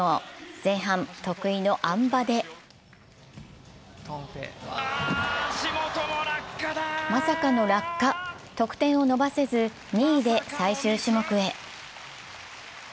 前半、得意のあん馬でまさかの落下、得点を伸ばせず２位で最終種目へ。